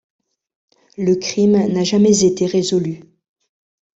Le crime n'a jamais été résolu.